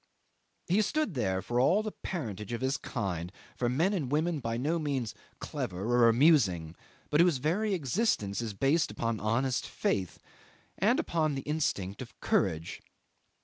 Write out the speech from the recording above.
He stood there for all the parentage of his kind, for men and women by no means clever or amusing, but whose very existence is based upon honest faith, and upon the instinct of courage.